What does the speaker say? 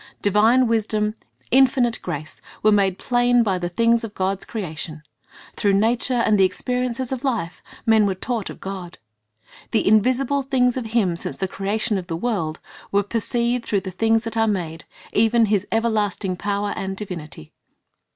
Divine wisdom, infinite grace, were made plain by the things of God's creation. Through nature and the experiences of life, men were taught of God. "The invisible things of Him since the creation of the world," were ''perceived through the things that are made, even His everlasting power and divinity."